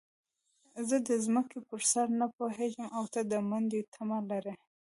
زه د ځمکې پر سر نه پوهېږم او ته د منډې تمه لرې.